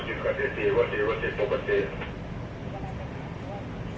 สวัสดีครับทุกคน